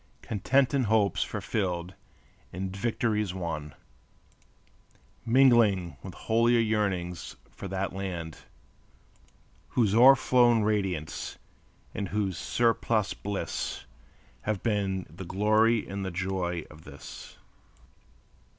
Content in hopes fulfilled, in victories won, Mingling with holier yearnings for that land, Whose o'er flown radiance and whose surplus bliss Have been the glory and the joy of this.